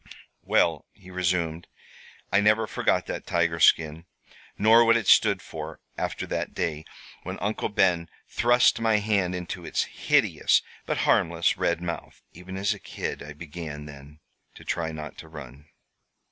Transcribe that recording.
"Well," he resumed, "I never forgot that tiger skin, nor what it stood for, after that day when Uncle Ben thrust my hand into its hideous, but harmless, red mouth. Even as a kid I began, then, to try not to run.